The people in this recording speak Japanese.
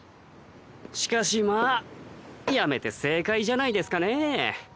しかしまあやめて正解じゃないですかねぇ。